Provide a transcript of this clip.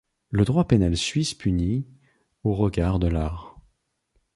Le droit pénal suisse punit, au regard de l'art.